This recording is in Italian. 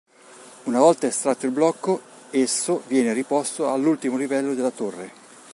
Una volta estratto il blocco esso viene riposto all'ultimo livello della torre.